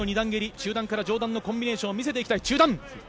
中段から上段のコンビネーションを見せていきたい。